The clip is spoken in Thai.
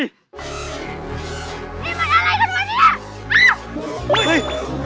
นี่มันอะไรกันวะเนี่ย